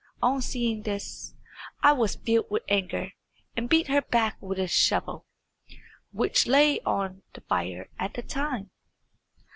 On seeing this I was filled with anger, and beat her back with a shovel, which lay on the fire at the time.